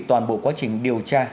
toàn bộ quá trình điều tra